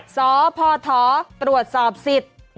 สพทตรวจสอบสิทธิ์